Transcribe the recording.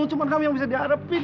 cuma kamu yang bisa diharapin